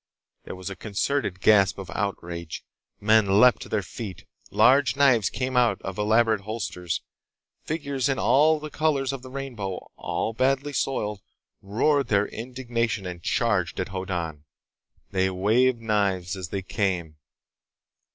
There was a concerted gasp of outrage. Men leaped to their feet. Large knives came out of elaborate holsters. Figures in all the colors of the rainbow—all badly soiled—roared their indignation and charged at Hoddan. They waved knives as they came.